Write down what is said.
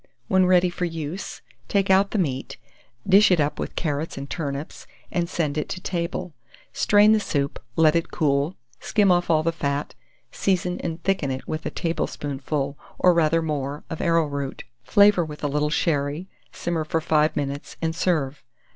When ready for use, take out the meat, dish it up with carrots and turnips, and send it to table; strain the soup, let it cool, skim off all the fat, season and thicken it with a tablespoonful, or rather more, of arrowroot; flavour with a little sherry, simmer for 5 minutes, and serve.